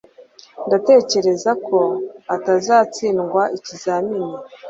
Ndatekereza ko atazatsindwa ikizamini